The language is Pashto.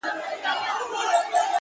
پرمختګ د ځان له پرون څخه وړاندې کېدل دي’